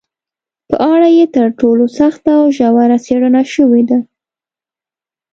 په اړه یې تر ټولو سخته او ژوره څېړنه شوې ده